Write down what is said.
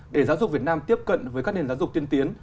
để giáo dục việt nam tiếp cận với các nền giáo dục tiên tiến